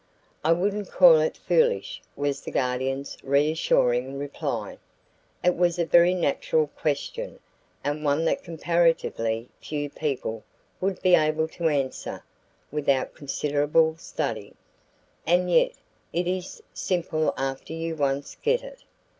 "I wouldn't call it foolish," was the Guardian's reassuring reply. "It was a very natural question and one that comparatively few people would be able to answer without considerable study. And yet, it is simple after you once get it.